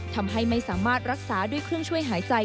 ทำให้ไม่สามารถรักษาด้วยเครื่องช่วยหายใจ